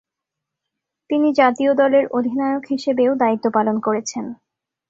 তিনি জাতীয় দলের অধিনায়ক হিসেবেও দায়িত্ব পালন করছেন।